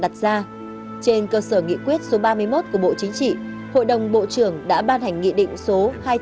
trên cơ sở nghị quyết số ba mươi một của bộ chính trị hội đồng bộ trưởng đã ban hành nghị định số hai trăm năm mươi